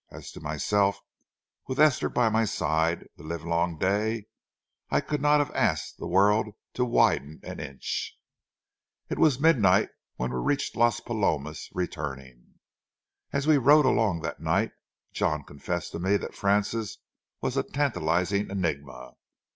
As to myself, with Esther by my side the livelong day, I could not have asked the world to widen an inch. It was midnight when we reached Las Palomas returning. As we rode along that night, John confessed to me that Frances was a tantalizing enigma.